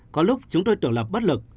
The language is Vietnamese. có lúc chúng tôi tưởng là bất lực